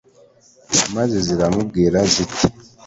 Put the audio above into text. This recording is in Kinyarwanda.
maze ziramubwira ziti